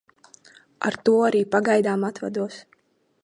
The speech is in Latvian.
Ar to arī pagaidām atvados.